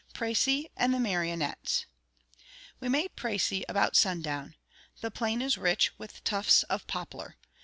PRÉCY AND THE MARIONNETTES WE made Précy about sundown. The plain is rich with tufts of poplar.